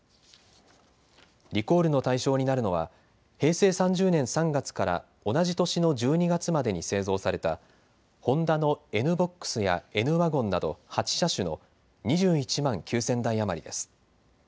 リコールの対象になるのは平成３０年３月から同じ年の１２月までに製造されたホンダのＮ−ＢＯＸやＮ−ＷＧＮなど８車種の２１万９０００台余りです。